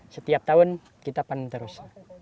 setiap tahun kita panen terus